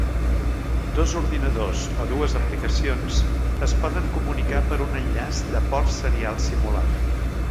Dos ordinadors o dues aplicacions es poden comunicar per un enllaç de port serial simulat.